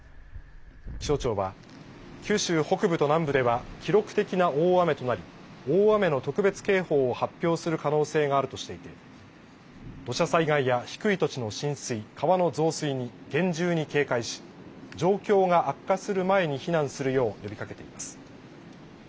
気象庁は九州北部と南部では記録的な大雨となり大雨の特別警報を発表する可能性があるとしていて土砂災害や低い土地の浸水、川の増水に厳重に警戒し状況が悪化する前に避難するよう呼びかけています。